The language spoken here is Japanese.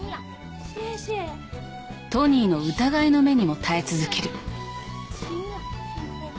トニーの疑いの目にも耐え続ける。